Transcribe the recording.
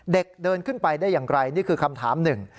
เด็กเดินขึ้นไปได้อย่างไรนี่คือคำถามหนึ่ง